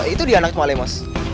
itu dia anak pak lemos